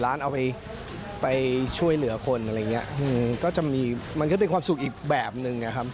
ก็ให้๒๑ล้านเอาไปช่วยเหลือคนอะไรอย่างนี้ก็จะมีมันก็เป็นความสุขอีกแบบหนึ่งเนี่ยครับ